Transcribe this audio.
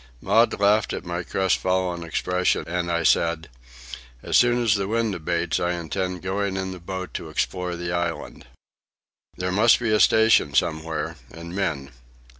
Maud laughed at my crestfallen expression, and I said, "As soon as the wind abates I intend going in the boat to explore the island. There must be a station somewhere, and men.